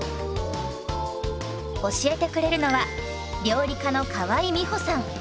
教えてくれるのは料理家の河井美歩さん。